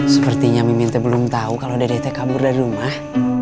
sepertinya mimin belum tahu kalau dedeh kabur dari rumah